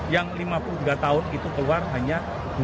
yang lima puluh tiga tahun itu keluar hanya dua dua